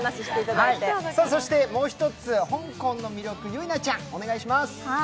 そしてもう一つ、香港の魅力、ゆいなちゃんお願いします。